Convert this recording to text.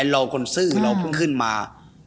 เราคนซื่อเราเพิ่งขึ้นมา